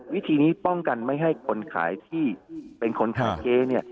วิธีนี้ป้องกันไม่ให้คนขายที่เป็นคนขายเค้